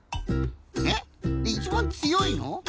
えっいちばんつよいの？